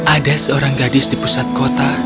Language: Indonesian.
ada seorang gadis di pusat kota